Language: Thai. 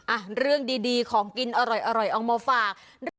อ่ะเรื่องดีของกินอร่อยเอามาฝาก